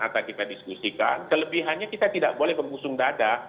akan kita diskusikan kelebihannya kita tidak boleh memusung dada